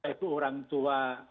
ibu orang tua